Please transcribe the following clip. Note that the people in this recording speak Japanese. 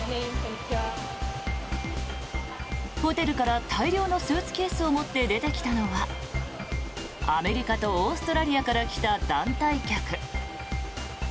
ホテルから大量のスーツケースを持って出てきたのはアメリカとオーストラリアから来た団体客。